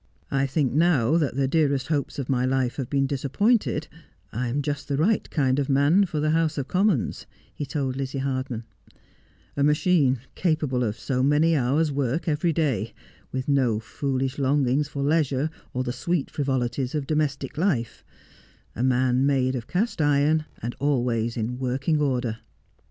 ' I think now that the dearest hopes of my life have been disappointed, I am just the right kind of man for the House of Commons,' he told Lizzie Hardman; 'a machine capable of so many hours' work every day, with no foolish longings for leisure or the sweet frivolities of domestic life, a man made of cast iron, and always in working order.'